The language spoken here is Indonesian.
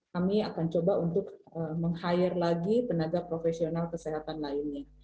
kami akan coba untuk meng hire lagi tenaga profesional kesehatan lainnya